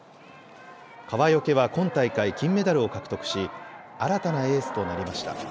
川除は今大会、金メダルを獲得し新たなエースとなりました。